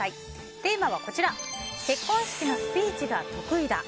テーマは結婚式のスピーチが得意だ。